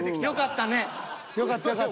よかったよかった。